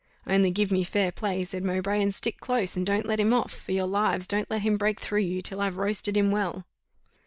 "Only give me fair play," said Mowbray, "and stick close, and don't let him off, for your lives don't let him break through you, till I've roasted him well."